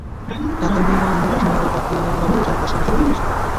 টাকার বিনিময়ে মূল আসামিদের বাদ দিয়ে নিরীহ লোকজনকে আসামি করা হচ্ছে।